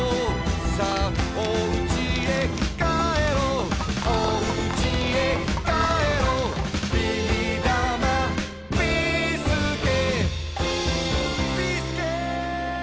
「さあおうちへ帰ろう」「おうちへ帰ろう」「ビーだまビーすけ」